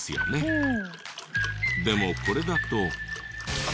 でもこれだと。